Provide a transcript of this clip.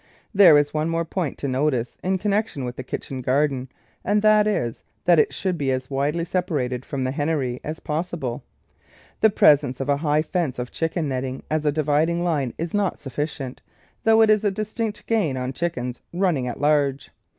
There is one more point to notice in connection with the kitchen garden, and that is that it should be as widely separated from the hennery as pos sible. The presence of a high fence of chicken net ting as a dividing line is not sufficient, though it is a distinct gain on chickens running at large.